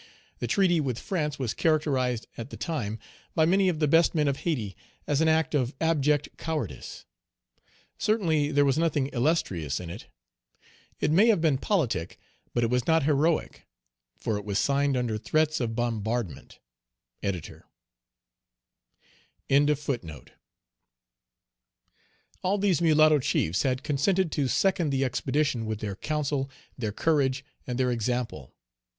The treaty with France was characterized at the time, by many of the best men of Hayti, as an act of abject cowardice. Certainly, there was nothing illustrious in it: it may have been politic, but it was not herole; for it was signed under threats of bombardment. ED. All these mulatto chiefs had consented to second the expedition with their council, their courage, and their example.